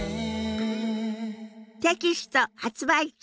テキスト発売中！